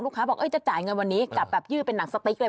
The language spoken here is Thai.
บอกจะจ่ายเงินวันนี้กลับแบบยืดเป็นหนังสติ๊กเลย